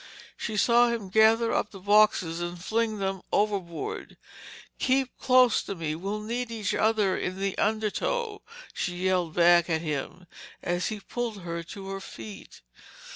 She saw him gather up the boxes and fling them overboard. "Keep close to me. We'll need each other in the undertow!" she yelled back at him, as he pulled her to her feet.